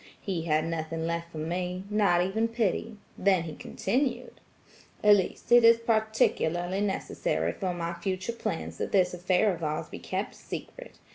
He had nothing left for me–not even pity. Then he continued,– 'Elise, it is particularly necessary for my future plans that this affair of ours be kept secret.